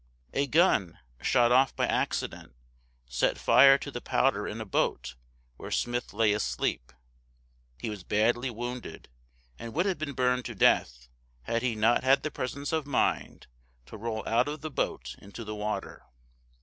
A gun, shot off by accident, set fire to the powder in a boat where Smith lay asleep. He was badly wounded, and would have been burned to death had he not had the presence of mind to roll out of the boat into the water.